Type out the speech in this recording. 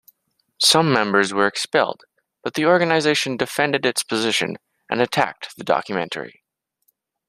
Some members were expelled, but the organisation defended its position and attacked the documentary.